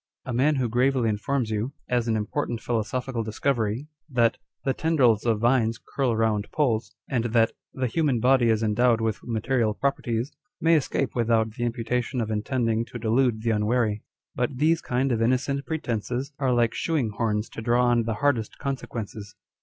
A man who gravely informs you, as an important philo sophical discovery, that " the tendrils of vines curl round poles," and that " the human body is endowed with material properties," may escape without the imputation of intend ing to delude the unwary. But these kind of innocent pre tences are like shoeing horns to draw on the hardest consequences.